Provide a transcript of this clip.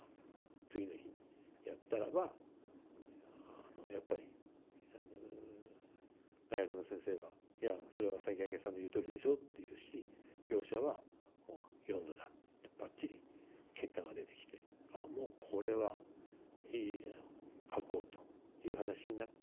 次の日やったらばやっぱり大学の先生は「いやそれは魁さんの言うとおりでしょ」って言うし業者は「４°だ」ってばっちり結果が出てきて「あもうこれはやろう書こう」という話になって。